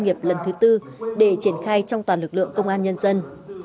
nghiệp lần thứ tư để triển khai trong toàn lực lượng công an nhân dân